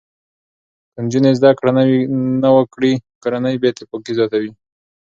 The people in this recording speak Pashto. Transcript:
که نجونې زده کړه نه وکړي، کورنۍ بې اتفاقي زیاته وي.